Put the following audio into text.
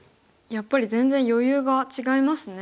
やっぱり全然余裕が違いますね。